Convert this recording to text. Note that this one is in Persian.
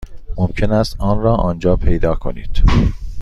ممکن است آن را آنجا پیدا کنید.